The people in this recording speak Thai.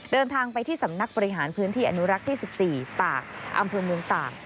เดินทางไปที่สำนักบริหารพื้นที่อนุรักษ์ที่๑๔ตากอำเภอเมืองตาก